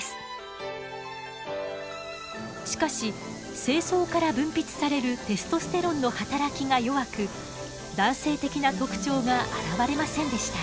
しかし精巣から分泌されるテストステロンの働きが弱く男性的な特徴が現れませんでした。